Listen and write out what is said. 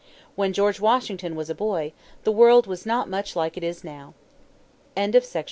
When George Washington was a boy the world was not much like it is now. II.